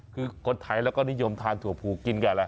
คือก็ไทยแล้วก็นิยมทานถั่วพูกินกันแหละ